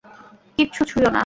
কিচ্ছু ছুঁয়ো না।